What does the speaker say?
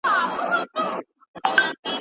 ايا حضوري زده کړه د چاپیریال بدلون رامنځته کوي؟